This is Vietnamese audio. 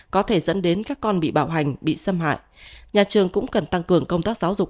có thể dẫn đến các con bị bạo hành bị xâm hại nhà trường cũng cần tăng cường công tác giáo dục